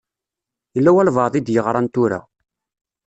Yella walebɛaḍ i d-yeɣṛan tura.